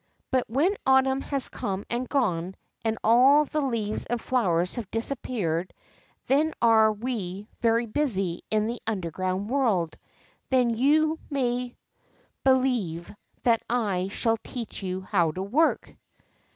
But when autumn has come and gone, and all the leaves and flowers have disappeared, then are we very busy in the underground world. Then you may believe that I shall teach you how to work